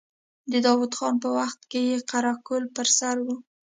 د داود خان په وخت کې يې قره قل پر سر و.